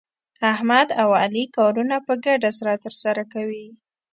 احمد او علي کارونه په ګډه سره ترسره کوي.